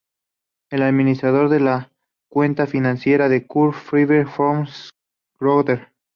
El administrador de la cuenta financiera fue Kurt Freiherr von Schröder.